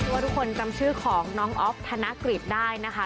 สวัสดีทุกคนจำชื่อของน้องออฟธนกฤทธิ์ได้นะคะ